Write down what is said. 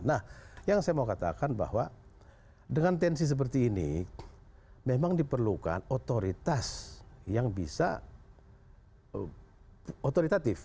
nah yang saya mau katakan bahwa dengan tensi seperti ini memang diperlukan otoritas yang bisa otoritatif